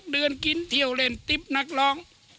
เดินกินเที่ยวเล่นติ๊บนักร้อง